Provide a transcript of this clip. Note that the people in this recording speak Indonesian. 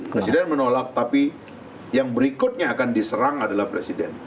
presiden menolak tapi yang berikutnya akan diserang adalah presiden